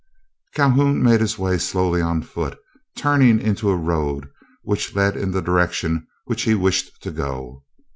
Calhoun made his way slowly on foot, turning into a road which led in the direction which he wished to go.